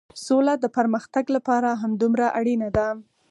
سوله د پرمختګ لپاره همدومره اړينه ده.